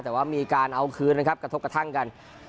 แต่ว่ามีการเอาคืนนะครับกระทบกระทั่งกัน